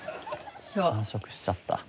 完食しちゃった。